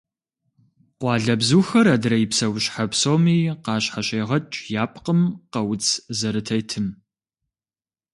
Къуалэбзухэр адрей псэущхьэ псоми къащхьэщегъэкӏ я пкъым къэуц зэрытетым.